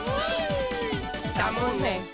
「だもんね」